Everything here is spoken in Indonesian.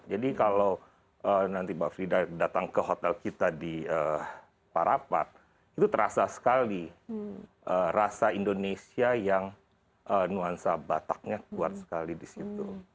jadi kalau nanti mbak frida datang ke hotel kita di parapat itu terasa sekali rasa indonesia yang nuansa bataknya kuat sekali di situ